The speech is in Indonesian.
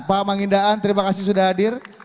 pak mangindaan terima kasih sudah hadir